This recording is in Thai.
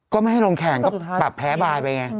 ก็ไม่ให้ลงแข่งก็ปรับแพ้บายไปอย่างไร